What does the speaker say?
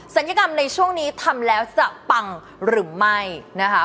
ยกรรมในช่วงนี้ทำแล้วจะปังหรือไม่นะคะ